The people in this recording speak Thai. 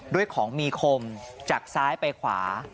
ด้วยของมีคมจากซ้ายไปขวา